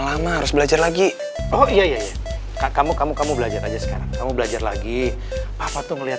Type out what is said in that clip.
lama harus belajar lagi oh iya kita kamu kamu kamu belajar aja kamu belajar lagi apa tuh melihat